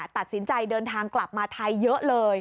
ตัดสินใจเดินทางกลับมาไทยเยอะเลย